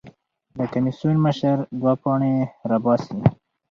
د کمېسیون مشر دوه پاڼې راباسي.